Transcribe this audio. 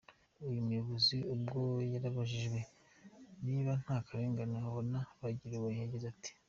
Uyu muyobozi ubwo yarabajijwe niba ntakarengane abona bagiriwe yagize ati:.